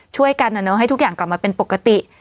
ช่วยกันให้ทุกอย่างกลับมาเป็นปกติ